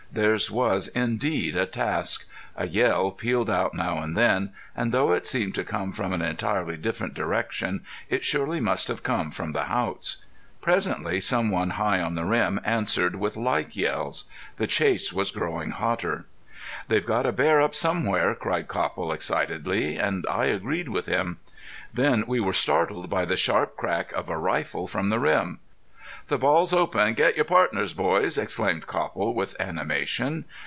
Theirs was indeed a task. A yell pealed out now and then, and though it seemed to come from an entirely different direction it surely must have come from the Haughts. Presently some one high on the rim answered with like yells. The chase was growing hotter. "They've got a bear up somewhere," cried Copple, excitedly. And I agreed with him. Then we were startled by the sharp crack of a rifle from the rim. "The ball's open! Get your pardners, boys," exclaimed Copple, with animation.